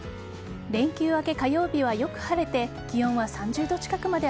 連休明け火曜日はよく晴れて気温は３０度近くまで